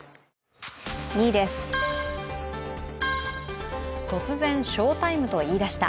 ２位です、突然ショータイムと言いだした。